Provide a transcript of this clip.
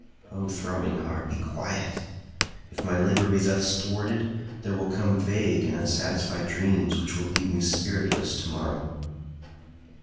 O throbbing heart, be quiet! If my labor be thus thwarted, there will come vague and unsatisfied dreams which will leave me spiritless to morrow."